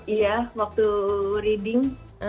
iya waktu reading